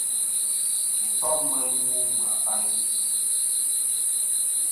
Wù tom meyn mu mɨ abayn ichɨ.